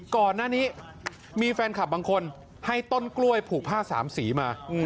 ก่อนหน้านี้มีแฟนคลับบางคนให้ต้นกล้วยผูกผ้าสามสีมา